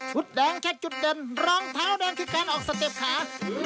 แดงใช้จุดเด่นรองเท้าแดงคือการออกสเต็ปขา